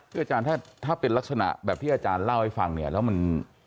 คืออาจารย์ถ้าเป็นลักษณะแบบที่อาจารย์เล่าให้ฟังเนี่ยแล้วมัน